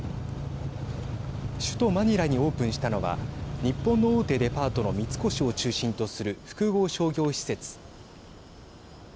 首都マニラにオープンしたのは日本の大手デパートの三越を中心とする複合商業施設。